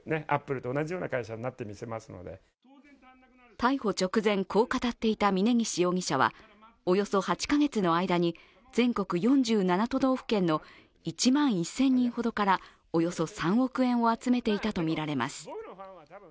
逮捕直前、こう語っていた峯岸容疑者はおよそ８か月の間に全国４７都道府県の１万１０００人ほどからおよそ３億円を集めていたとみられます。